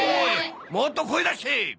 もっと声出して！